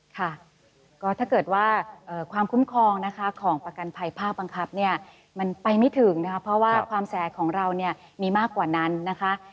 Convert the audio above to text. ค่ะก็ถ้าเกิดว่าความคุ้มครองนะคะของประกันภัยภาพบังคับเนี่ยมันไปไม่ถึงนะคะเพราะว่าความแสของเราเนี่ยมีมากกว่านั้นนะคะ